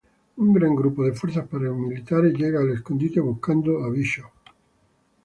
Un gran grupo de fuerzas paramilitares llega al escondite buscando a Bishop.